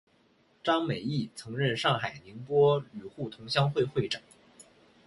张美翊曾任上海宁波旅沪同乡会会长。